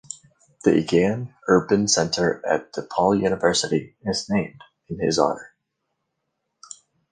The Egan Urban Center at DePaul University is named in his honor.